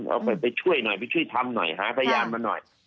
เอาไปช่วยหน่อยไปช่วยทำหน่อยหาพยานมาหน่อย